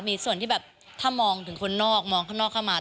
มีส่วนที่แบบถ้ามองถึงคนนอกมองข้างนอกเข้ามา